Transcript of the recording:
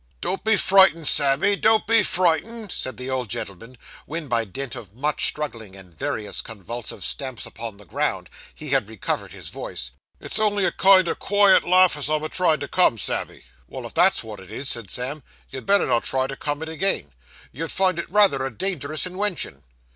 'Don't be frightened, Sammy, don't be frightened,' said the old gentleman, when by dint of much struggling, and various convulsive stamps upon the ground, he had recovered his voice. 'It's only a kind o' quiet laugh as I'm a tryin' to come, Sammy.' 'Well, if that's wot it is,' said Sam, 'you'd better not try to come it agin. You'll find it rayther a dangerous inwention.